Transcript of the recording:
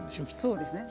そうですね。